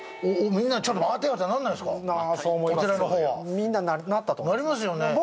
みんななったと思います。